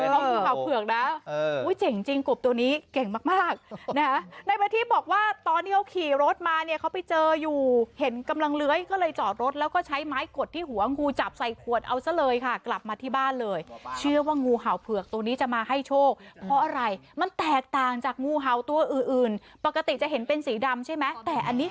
เขางูเห่าเผือกนะอุ้ยเจ๋งจริงกบตัวนี้เก่งมากมากนะฮะนายประทีบบอกว่าตอนที่เขาขี่รถมาเนี่ยเขาไปเจออยู่เห็นกำลังเลื้อยก็เลยจอดรถแล้วก็ใช้ไม้กดที่หัวงูจับใส่ขวดเอาซะเลยค่ะกลับมาที่บ้านเลยเชื่อว่างูเห่าเผือกตัวนี้จะมาให้โชคเพราะอะไรมันแตกต่างจากงูเห่าตัวอื่นอื่นปกติจะเห็นเป็นสีดำใช่ไหมแต่อันนี้